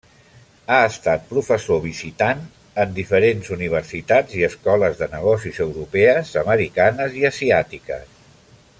Ha estat professor visitant en diferents universitats i escoles de negocis europees, americanes i asiàtiques.